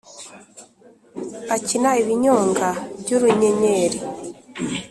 akina ibinyonga by’ urunyenyeri